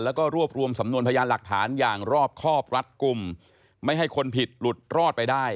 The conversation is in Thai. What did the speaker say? แล้วก็รวบรวมสำนวนพยานหลักฐานอย่างรอบครอบรัดกลุ่มไม่ให้คนผิดหลุดรอดไปได้